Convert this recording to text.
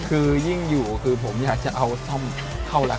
คือยิ่งอยู่คือผมอยากจะเอาซ่อมเข้ารัก